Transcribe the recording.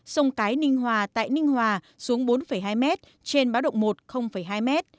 sông cái ninh hòa tại ninh hòa xuống bốn hai m trên báo động một hai m